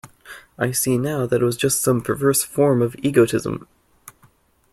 I see now that it was just some perverse form of egotism.